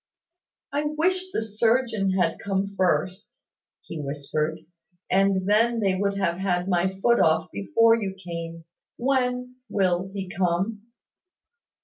"I wish the surgeon had come first," he whispered, "and then they would have had my foot off before you came. When will he come?"